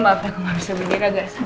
maaf aku gak bisa berdiri